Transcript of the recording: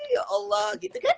ya allah gitu kan